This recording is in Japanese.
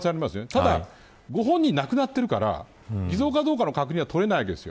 ただ、ご本人亡くなっているから偽造かどうかの確認は取れないわけです。